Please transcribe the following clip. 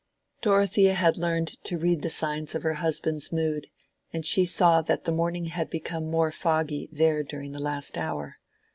Dorothea had learned to read the signs of her husband's mood, and she saw that the morning had become more foggy there during the last hour.